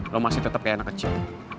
kamu masih tetap seperti anak kecil